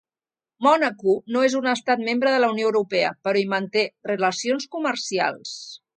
Mònaco no és un Estat membre de la Unió Europea però hi manté relacions comercials.